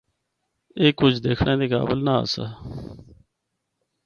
اے کجھ دکھنڑا دے قابل نہ آسا۔